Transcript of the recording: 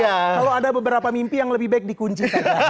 kalau ada beberapa mimpi yang lebih baik dikunci